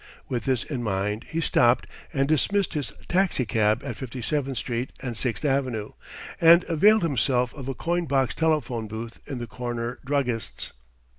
With this in mind he stopped and dismissed his taxicab at Fifty seventh Street and Sixth Avenue, and availed himself of a coin box telephone booth in the corner druggist's.